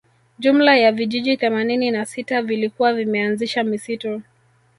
Jumla ya vijiji themanini na sita vilikuwa vimeanzisha misitu